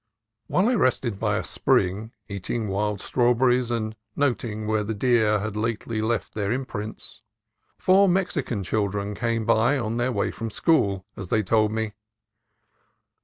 While I rested by a spring, eating wild strawber ries and noting where the deer had lately left their imprints, four Mexican children came by on their way from school, as they told me.